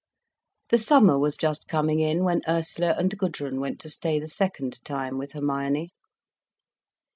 The summer was just coming in when Ursula and Gudrun went to stay the second time with Hermione.